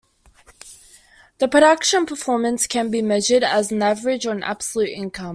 The production performance can be measured as an average or an absolute income.